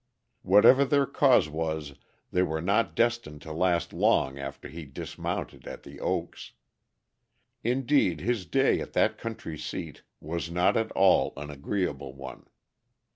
Whatever their cause was they were not destined to last long after he dismounted at The Oaks. Indeed his day at that country seat was not at all an agreeable one.